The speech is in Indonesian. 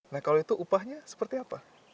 nah kalau itu upahnya seperti apa